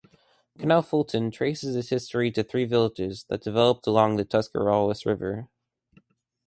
Canal Fulton traces its history to three villages that developed along the Tuscarawas River.